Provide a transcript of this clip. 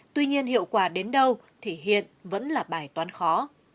tuy nhiên hiệu quả đến đâu thì hiện vẫn là bài toán khó